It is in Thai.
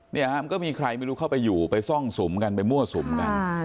เนี่ยฮะมันก็มีใครไม่รู้เข้าไปอยู่ไปซ่องสุมกันไปมั่วสุมกัน